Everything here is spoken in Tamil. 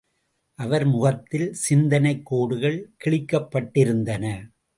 அவர் முகத்தில் சிந்தனைக் கோடுகள் கிழிக்கப்பட்டிருந்தன.